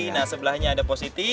nah sebelahnya ada positi